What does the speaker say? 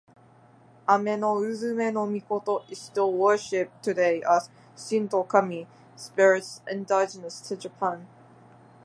Ame-no-Uzume-no-Mikoto is still worshiped today as a Shinto kami, spirits indigenous to Japan.